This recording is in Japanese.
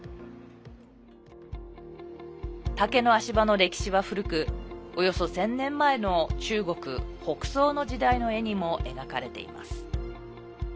竹の足場の歴史は古くおよそ１０００年前の中国・北宋の時代の絵にも描かれています。